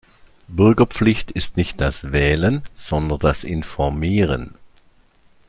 Bürgerpflicht ist nicht das Wählen sondern das Informieren.